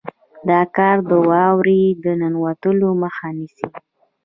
دا کار د واورې د ننوتلو مخه نیسي